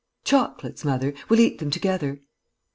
"Chocolates, mother! We'll eat them together!"